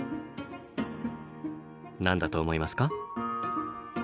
何だと思いますか？